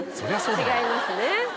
違いますね。